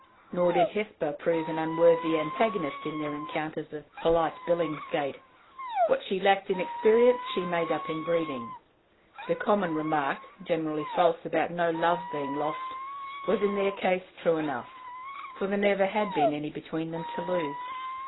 Nor did Hesper prove an unworthy antagonist in their encounters of polite Billingsgate: what she lacked in experience she made up in breeding. The common remark, generally false, about no love being lost, was in their case true enough, for there never had been any between them to lose.